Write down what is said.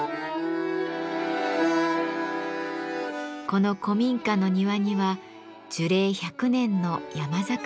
この古民家の庭には樹齢１００年の山桜の木があります。